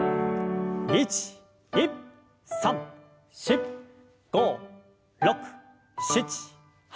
１２３４５６７８。